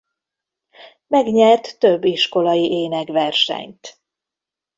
Megnyert több iskolai énekversenyt.